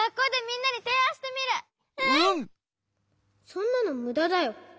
そんなのむだだよ。